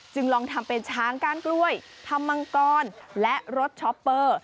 ลองทำเป็นช้างก้านกล้วยทำมังกรและรสช็อปเปอร์